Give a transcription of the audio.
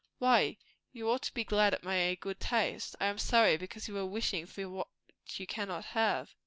"Why? You ought to be glad at my good taste." "I am sorry, because you are wishing for what you cannot have."